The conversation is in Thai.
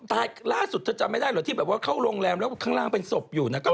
ล่าสุดเธอจำไม่ได้เหรอที่แบบว่าเข้าโรงแรมแล้วข้างล่างเป็นศพอยู่นะ